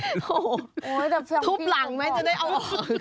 โห้โหแบบสี่หวันทุบหลังมั้ยจะได้ออก